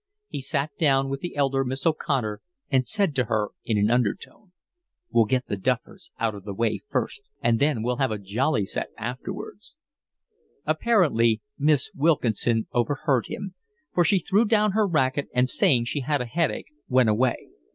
He sat down by the elder Miss O'Connor and said to her in an undertone: "We'll get the duffers out of the way first, and then we'll have a jolly set afterwards." Apparently Miss Wilkinson overheard him, for she threw down her racket, and, saying she had a headache, went away.